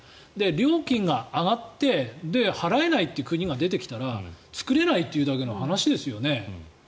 料金が上がって払えないという国が出てきたら作れないというだけの話ですよね。